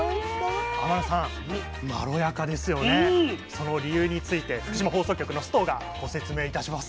その理由について福島放送局の須藤がご説明いたします。